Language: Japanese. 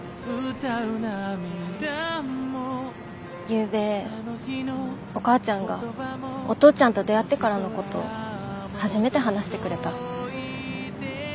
ゆうべお母ちゃんがお父ちゃんと出会ってからのことを初めて話してくれた。